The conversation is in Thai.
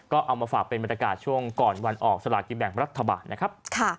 ก็เอามาฝากเป็นบรรยากาศช่วงก่อนวันออกสลากินแบ่งรัฐบาลนะครับ